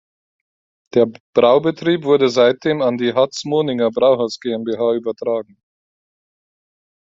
Der Braubetrieb wurde seitdem an die Hatz-Moninger Brauhaus GmbH übertragen.